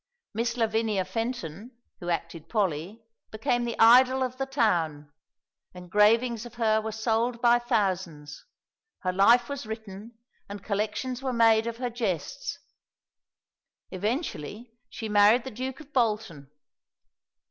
Miss Lavinia Fenton, who acted Polly, became the idol of the town; engravings of her were sold by thousands: her life was written, and collections were made of her jests. Eventually she married the Duke of Bolton.